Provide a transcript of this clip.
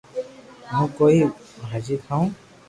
ھون ڪوئي ڀاجي کاوِ